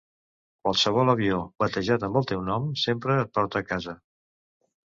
Qualsevol avió batejat amb el teu nom sempre em porta a casa.